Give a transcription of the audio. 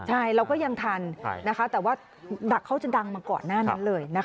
ใช่เราก็ยังทันแต่ว่าดักเขาจะดังมาก่อนหน้านั้นเลยนะคะ